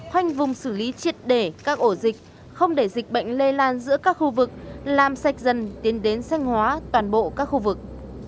khoanh vùng xử lý triệt để các ổ dịch không để dịch bệnh lây lan giữa các khu vực làm sạch dần tiến đến sanh hóa toàn bộ các khu vực